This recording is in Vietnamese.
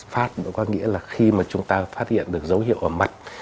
phát có nghĩa là khi mà chúng ta phát hiện được dấu hiệu ở mặt